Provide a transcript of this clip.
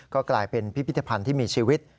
ก็กลายเป็นพิพิธภัณฑ์ที่มีชีวิต